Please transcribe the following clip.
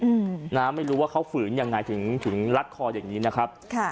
อืมนะไม่รู้ว่าเขาฝืนยังไงถึงถึงรัดคออย่างนี้นะครับค่ะ